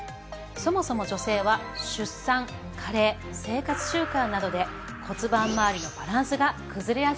そもそも女性は出産加齢生活習慣などで骨盤まわりのバランスが崩れやすいんです。